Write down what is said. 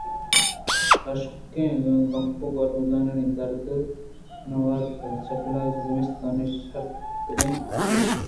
حُشکیں کانپول ءِ مزنی درد نہ وارت سیٹائر زِمستانی شرتگیں شپے ءَ